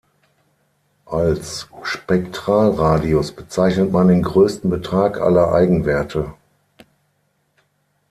Als Spektralradius bezeichnet man den größten Betrag aller Eigenwerte.